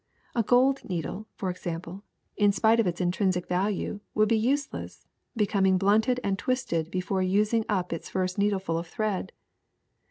A gold needle, for example, in spite of its intrinsic value, would be useless, becoming blunted and twisted before using up its first needle ful of thread.